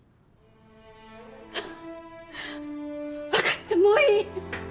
わかったもういい！